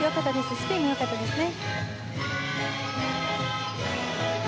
スピンもよかったですね。